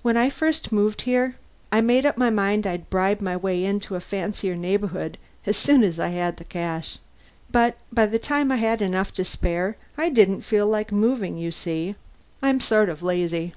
"When I first moved in here, I made up my mind I'd bribe my way into a fancier neighborhood as soon as I had the cash. But by the time I had enough to spare I didn't feel like moving, you see. I'm sort of lazy."